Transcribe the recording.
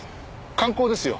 観光ですよ。